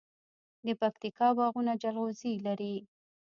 د پکتیکا باغونه جلغوزي لري.